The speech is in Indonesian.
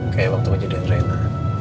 kayak waktu kejadian rena